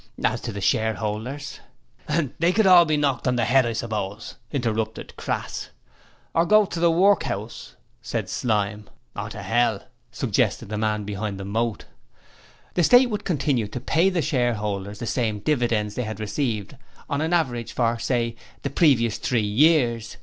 As to the shareholders ' 'They could all be knocked on the 'ead, I suppose,' interrupted Crass. 'Or go to the workhouse,' said Slyme. 'Or to 'ell,' suggested the man behind the moat. ' The State would continue to pay to the shareholders the same dividends they had received on an average for, say, the previous three years.